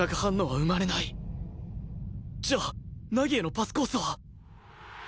じゃあ凪へのパスコースは？